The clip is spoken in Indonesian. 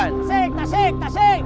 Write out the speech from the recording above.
tasik tasik tasik